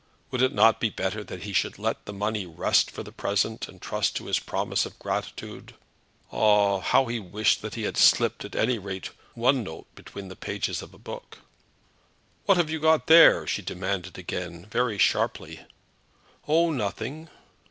Would it not be better that he should let the money rest for the present, and trust to his promise of gratitude? Ah, how he wished that he had slipped at any rate one note between the pages of a book. "What have you got there?" she demanded again, very sharply. "Oh, nothing."